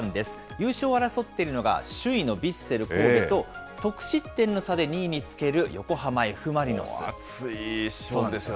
優勝を争っているのが、首位のヴィッセル神戸と、得失点の差で２熱い勝負ですよね。